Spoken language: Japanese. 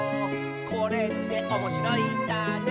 「これっておもしろいんだね」